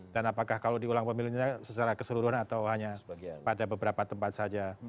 dan apakah kalau diulang pemilunya secara keseluruhan atau hanya pada beberapa tempat saja